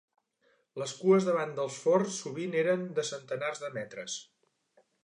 Les cues davant els forns sovint eren de centenars de metres.